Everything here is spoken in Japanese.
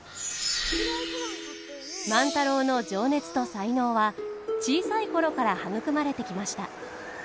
万太郎の情熱と才能は小さい頃から育まれてきました。